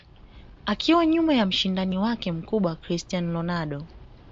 akiwa nyuma ya mshindani wake mkubwa Cristiano Ronaldo